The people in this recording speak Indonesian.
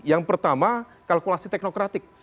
yang pertama kalkulasi teknokratik